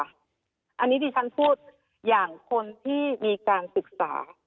อันนี้ดิฉันพูดอย่างคนที่มีการศึกษา